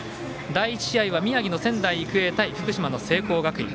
第１試合は宮城の仙台育英対福島の聖光学院。